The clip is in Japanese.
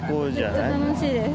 めっちゃ楽しいです。